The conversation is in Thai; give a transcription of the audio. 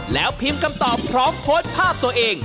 แล้วพิมพ์คำตอบพร้อมโพสต์ภาพตัวเอง